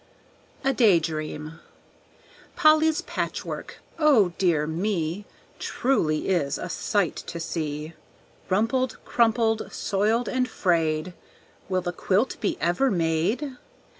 A Day Dream Polly's patchwork oh, dear me! Truly is a sight to see. Rumpled, crumpled, soiled, and frayed Will the quilt be ever made?